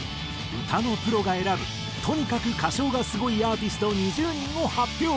歌のプロが選ぶとにかく歌唱がスゴいアーティスト２０人を発表！